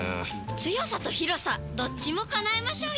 強さと広さどっちも叶えましょうよ！